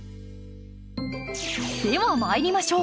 では参りましょう。